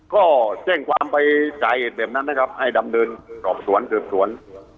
ก็แจ้งความไปสาเหตุแบบนั้นนะครับให้ดำเนินสอบสวนสืบสวน